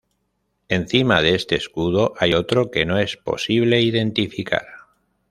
Encima de este escudo hay otro que no es posible identificar.